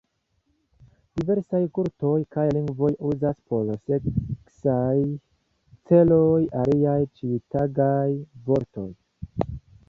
Diversaj kulturoj kaj lingvoj uzas por seksaj celoj aliaj ĉiutagaj vortoj.